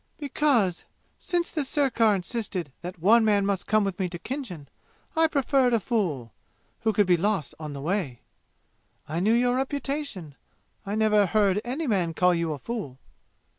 "Because, since the sirkar insisted that one man must come with me to Khinjan, I preferred a fool, who could be lost on the way. I knew your reputation. I never heard any man call you a fool."